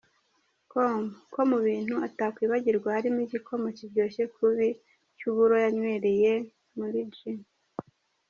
com ko mu bintu atakwibagirwa harimo igikoma kiryoshye kubi cy’uburo yanywereye muri G.